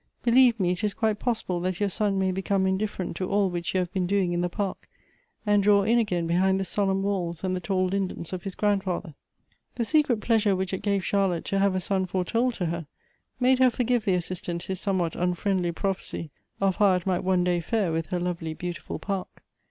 Believe me, it is quite possible that your son may become indiflfer ent to all which you have been doing in the park, and draw in again behind the solemn walls and the tall lin dens of his grandfather." The secret pleasure which it gave Charlotte to have a son foretold to her, made her forgive the Assistant his somewhat unfriendly prophecy of how it might one day fare with her lovely, beautiful park.